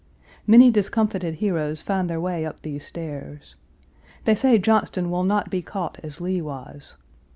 Many discomfited heroes find their way up these stairs. They say Johnston will not be caught as Lee was.